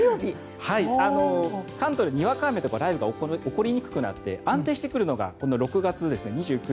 関東で、にわか雨とか雷雨が起こりにくくなって安定してくるのが６月２９日。